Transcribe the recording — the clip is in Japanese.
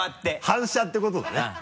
反射ってことだね。